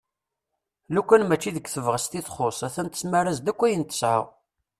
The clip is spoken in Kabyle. Lukan mačči deg tebɣest i txu a-t-an tesmar-as-d akk ayen tesɛa.